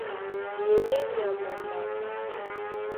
Ni e ndé nyama a mbamba.